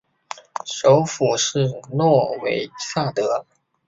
首府是诺维萨德。